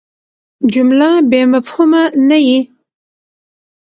جمله بېمفهومه نه يي.